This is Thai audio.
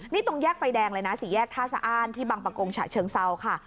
นี่ตรงแยกไฟแดงเลยนะสี่แยกท่าสะอ้านที่บางประกงฉะเชิงเซาค่ะ